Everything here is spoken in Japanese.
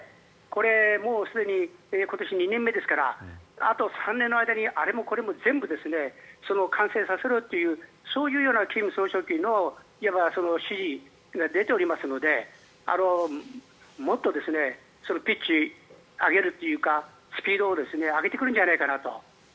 これもすでに今年２年目ですからあと３年の間にあれもこれも全部完成させろというそういう金総書記のいわば指示が出ておりますのでもっとピッチを上げるというかスピードを上げてくるんじゃないかなと。